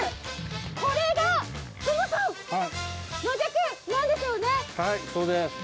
これがマジャクなんですよね？